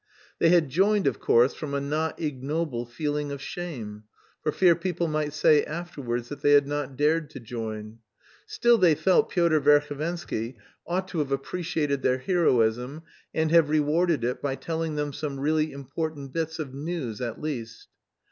They had joined, of course, from a not ignoble feeling of shame, for fear people might say afterwards that they had not dared to join; still they felt Pyotr Verhovensky ought to have appreciated their heroism and have rewarded it by telling them some really important bits of news at least.